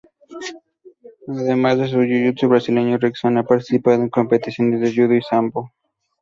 Además de jiu-jitsu brasileño, Rickson ha participado en competiciones de judo y sambo.